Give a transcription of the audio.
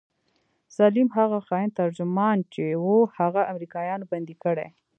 سليم هغه خاين ترجمان چې و هغه امريکايانو بندي کړى.